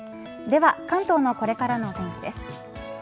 では関東のこれからのお天気です。